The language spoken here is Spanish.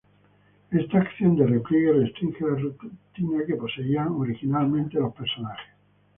Esta acción de repliegue restringe la rutina que poseían originalmente los personajes.